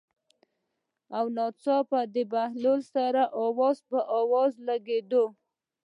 او ناڅاپه د بهلول سره اوږه په اوږه ولګېده.